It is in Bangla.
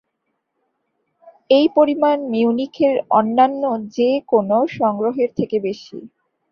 এই পরিমাণ মিউনিখের অন্যান্য যে কোনো সংগ্রহের থেকে বেশি।